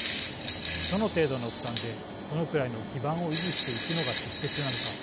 どの程度の負担でどのくらいの基盤を維持していくのが適切なのか。